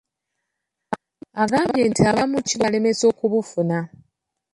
Agambye nti abamu kibalemesa okubufuna.